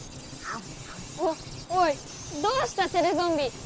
おおいどうしたテレゾンビ！